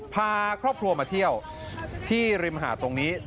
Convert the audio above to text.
พาครอบครัวมาเที่ยวที่ริมหาดตรงนี้